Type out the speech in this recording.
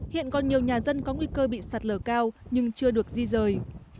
hiện còn nhiều nhà dân có nguy cơ bị sạt lở cao nhưng chưa được di rời